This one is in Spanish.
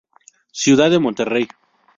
Ciudad de Monterrey.